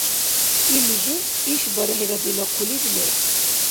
Ил жуз ишбархӀира дила хъулиб леб.